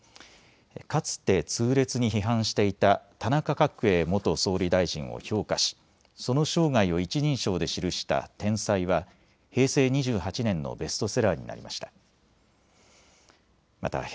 かつて痛烈に批判していた田中角栄元総理大臣を評価しその生涯を一人称で記した天才は平成２８年のベストセラーになりました。